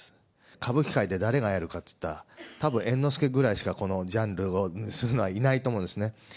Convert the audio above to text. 歌舞伎界で誰がやるかっつったら、たぶん猿之助ぐらいしか、このジャンルをするのはいないと思うんですね。